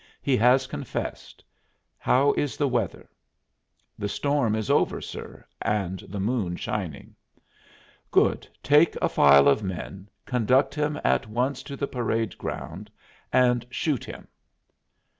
He has confessed. How is the weather?" "The storm is over, sir, and the moon shining." "Good; take a file of men, conduct him at once to the parade ground, and shoot him."